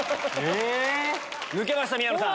抜けました宮野さん。